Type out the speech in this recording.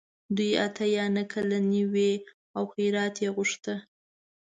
دوی اته یا نهه کلنې وې او خیرات یې غوښت.